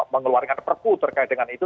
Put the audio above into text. mengeluarkan perpu terkait dengan itu